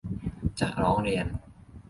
จะร้องเรียน